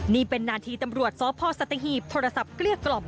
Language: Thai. นี่เป็นนาทีตำรวจสพสัตหีบโทรศัพท์เกลี้ยกล่อม